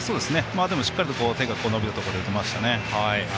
でも、しっかりと手が伸びるところで打てましたね。